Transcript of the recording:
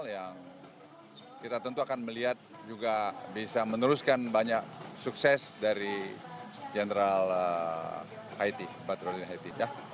yang kita tentu akan melihat juga bisa meneruskan banyak sukses dari jenderal batrolin haiti